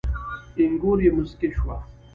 اينږور يې موسکۍ شوه.